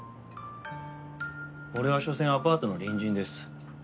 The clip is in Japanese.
俺はしょせんアパートの隣人です。